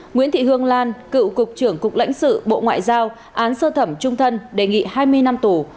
nguyễn thị hương lan cựu cục trưởng cục lãnh sự bộ ngoại giao án sơ thẩm trung thân đề nghị hai mươi năm tù